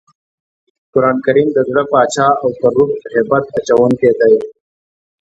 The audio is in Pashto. قرانکریم د زړه باچا او پر روح هیبت اچوونکی دئ.